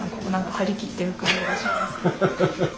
張り切ってる感じがしますけど。